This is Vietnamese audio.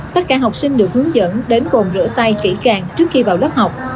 tất cả học sinh được hướng dẫn đến bồn rửa tay kỹ càng trước khi vào lớp học